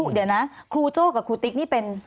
เดี๋ยวนะครูโจ้กับครูติ๊กนี่เป็น